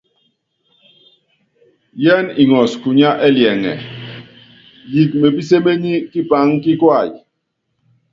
Yɛ́n iŋɔs kunyá ɛliɛŋɛ, yiik mepíséményí kipaŋ kí kuay.